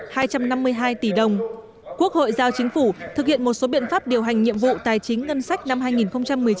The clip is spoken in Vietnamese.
quốc hội giao chính phủ thực hiện một số biện pháp điều hành nhiệm vụ tài chính ngân sách năm hai nghìn một mươi chín